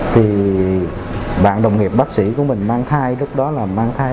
thì bạn đồng nghiệp bác sĩ của mình mang thai lúc đó là mang thai